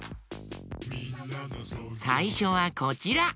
さいしょはこちら。